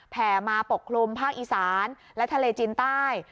แผ่มาปกคลุมภาคอีสานและทะเลจีนใต้